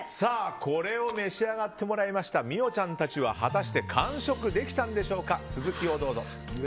これを召し上がってもらいました美桜ちゃんたちは果たして完食できたんでしょうか。